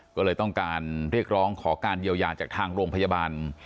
ก็เลยต้องการเรียกร้องขอการเยียวยาจากทางโรงพยาบาล